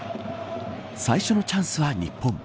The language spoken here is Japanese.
最初のチャンスは日本。